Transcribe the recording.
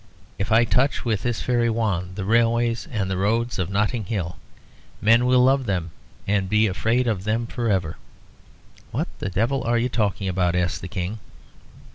If I touch, with this fairy wand, the railways and the roads of Notting Hill, men will love them, and be afraid of them for ever." "What the devil are you talking about?" asked the King.